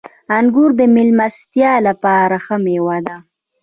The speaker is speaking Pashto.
• انګور د میلمستیا لپاره ښه مېوه ده.